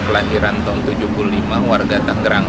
kelahiran tahun seribu sembilan ratus tujuh puluh lima warga tangerang